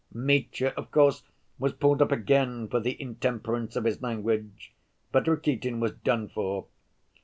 Mitya, of course, was pulled up again for the intemperance of his language, but Rakitin was done for.